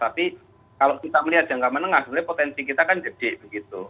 tapi kalau kita melihat jangka menengah sebenarnya potensi kita kan gede begitu